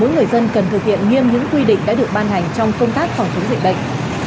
mỗi người dân cần thực hiện nghiêm những quy định đã được ban hành trong công tác phòng chống dịch bệnh